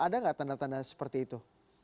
ada nggak tanda tanda seperti itu